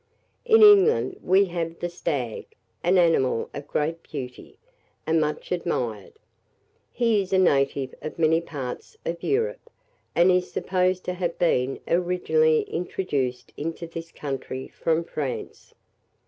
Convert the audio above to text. In England we have the stag, an animal of great beauty, and much admired. He is a native of many parts of Europe, and is supposed to have been originally introduced into this country from France.